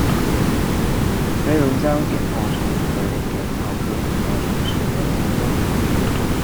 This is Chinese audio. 黑龙江碘泡虫为碘泡科碘泡虫属的动物。